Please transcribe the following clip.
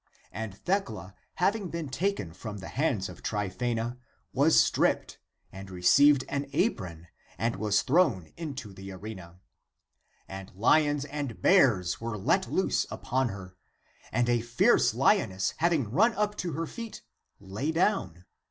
And Thecla having been taken from the hands of Tryphsena, was stripped, and received an apron and was thrown into the arena. And lions 28 THE APOCRYPHAL ACTS and bears were let loose upon her. And a fierce lioness having run up to her feet, lay down.